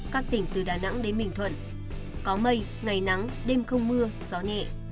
các tỉnh từ đà nẵng đến bình thuận có mây ngày nắng đêm không mưa gió nhẹ